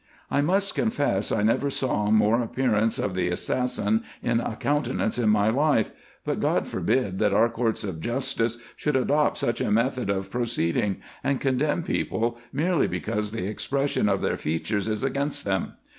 I must confess, I never saw more appearance of the assassin in a countenance in my life ; but God forbid, that our courts of justice should adopt such a method of proceeding, and condemn people merely because the expression of their features is against them.